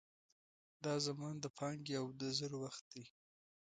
دا زمان د پانګې او د زرو وخت دی.